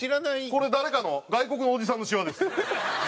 これ誰かの外国のおじさんのシワです。